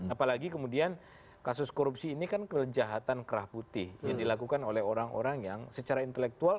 apalagi kemudian kasus korupsi ini kan kelejahatan kerah putih yang dilakukan oleh orang orang yang secara intelektual